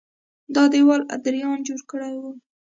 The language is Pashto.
دا دېوال ادریان جوړ کړی و